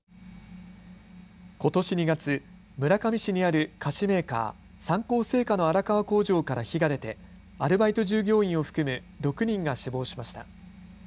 ことし２月、村上市にある菓子メーカー、三幸製菓の荒川工場から火が出てアルバイト従業員を含む６人が死亡しました。